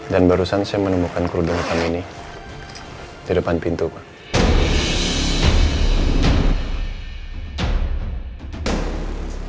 dan barusan saya menemukan kurdung hitam ini di depan pintu pak